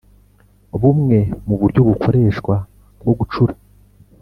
bumwe mu buryo bukoreshwa bwo gucura